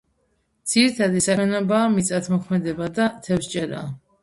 ძირითადი საქმიანობაა მიწათმოქმედება და თევზჭერა.